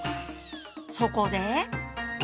そこで。